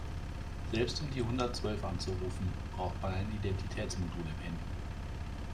Selbst um die hundertzwölf anzurufen, braucht man ein Identitätsmodul im Handy.